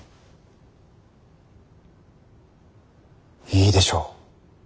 いいでしょう。